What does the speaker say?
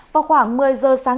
vào khoảng một mươi giờ sáng